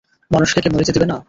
মানুষকে কি মরিতে দিবে না।